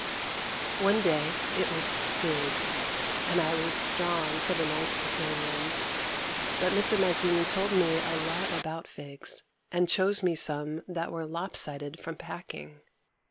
One day it was figs, and I was strong for the nice appearing ones, but Mr. Mazzini told me a lot about figs and chose me some that were lop sided from packing.